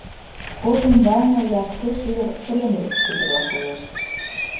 Кож ӱмбалне якте шӱдыр Кремль шӱдырла коеш.